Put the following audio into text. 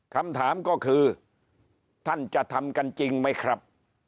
คำถามก็คือท่านจะทำกันจริงไหมครับ